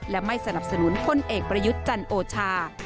และไม่สนับสนุนพลเอกประยุทธ์จันโอชา